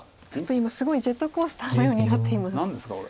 ちょっと今すごいジェットコースターのようになっています。